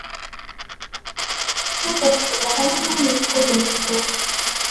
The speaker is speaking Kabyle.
Ad as-teḍru am win ifuden yeswa.